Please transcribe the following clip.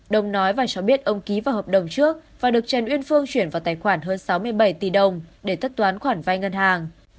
đồng nói và cho biết ông ký vào hợp đồng trước và được trần uyên phương chuyển vào tài khoản hơn sáu mươi bảy tỷ đồng để tất toán khoản vay ngân hàng